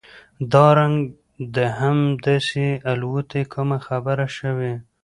دا رنګ د هم داسې الوتى کومه خبره شوې؟